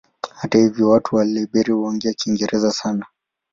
Hata hivyo watu wa Liberia huongea Kiingereza sana.